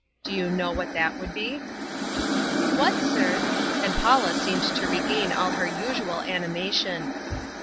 Do you know what that would be?" "What, sir?" and Paula seemed to regain all her usual animation.